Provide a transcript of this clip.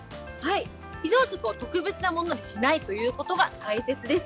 非常食を特別なものにしないということが大切です。